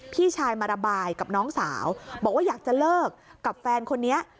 พี่ชายมาระบายกับน้องสาวบอกว่าอยากจะเลิกกับแฟนคนนี้